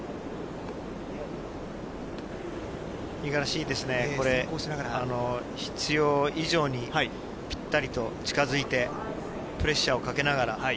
五十嵐いいですね、これ、必要以上にぴったりと近づいて、プレッシャーをかけながら。